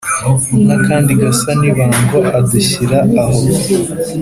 N akandi gasa n ibango adushyira aho